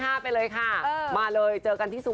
ออกงานอีเวนท์ครั้งแรกไปรับรางวัลเกี่ยวกับลูกทุ่ง